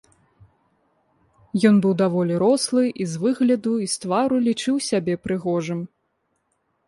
Ён быў даволі рослы і з выгляду і з твару лічыў сябе прыгожым.